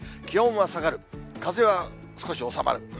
気温は下がる、風は少し収まる。